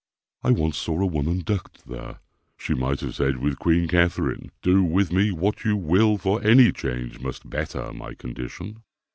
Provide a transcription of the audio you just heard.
I once saw a woman ducked there. She might have said with Queen Catherine: "Do with me what you will, For any change must better my condition."